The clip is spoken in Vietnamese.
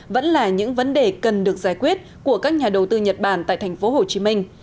vẫn là những vấn đề cần được giải quyết của các nhà đầu tư nhật bản tại thành phố hồ chí minh